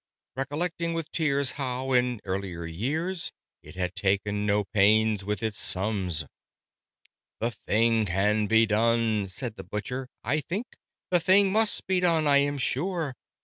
Recollecting with tears how, in earlier years, It had taken no pains with its sums. "The thing can be done," said the Butcher, "I think. The thing must be done, I am sure.